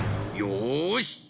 よし！